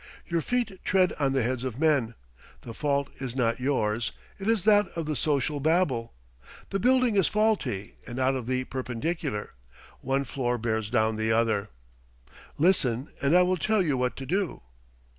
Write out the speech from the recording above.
Your feet tread on the heads of men. The fault is not yours; it is that of the social Babel. The building is faulty, and out of the perpendicular. One floor bears down the other. Listen, and I will tell you what to do.